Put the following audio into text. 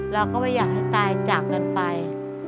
เราก็ไม่อยากให้ตายจากกันไป